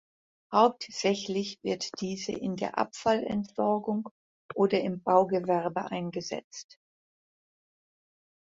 Hauptsächlich wird diese in der Abfallentsorgung oder im Baugewerbe eingesetzt.